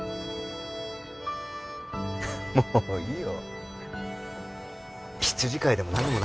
もういいよ